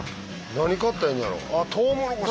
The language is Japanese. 何買ったらええんやろ？